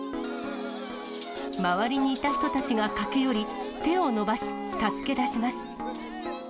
周りにいた人たちが駆け寄り、手を伸ばし、助け出します。